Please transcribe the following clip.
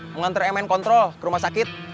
mengantar mn kontrol ke rumah sakit